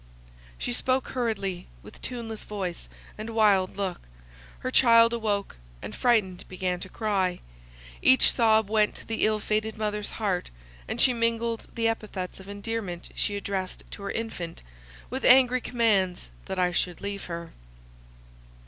She spoke hurriedly, with tuneless voice, and wild look; her child awoke, and, frightened, began to cry; each sob went to the ill fated mother's heart, and she mingled the epithets of endearment she addressed to her infant, with angry commands that I should leave her.